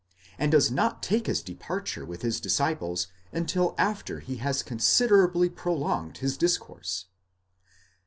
and does. not take his departure with his disciples until after he has considerably pro longed his discourse.